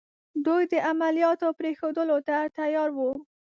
دوی د عملیاتو پرېښودلو ته تیار وو.